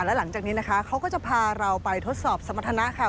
และหลังจากนี้นะคะเขาก็จะพาเราไปทดสอบสมรรถนะค่ะ